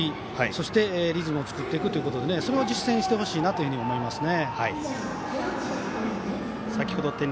そして、リズムを作っていくということでそれを実践してほしいですね。